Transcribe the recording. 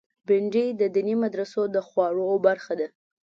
بېنډۍ د دیني مدرسو د خواړو برخه ده